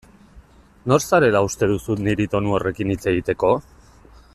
Nor zarela uste duzu niri tonu horrekin hitz egiteko?